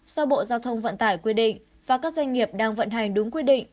do bộ giao thông vận tài quyết định và các doanh nghiệp đang vận hành đúng quy định